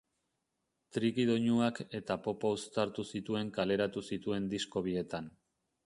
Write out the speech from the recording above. Triki doinuak eta popa uztartu zituen kaleratu zituen disko bietan.